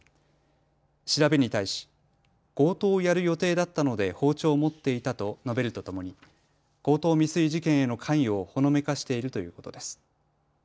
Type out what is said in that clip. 調べに対し強盗をやる予定だったので包丁を持っていたと述べるとともに強盗未遂事件への関与をほのめかしているということです。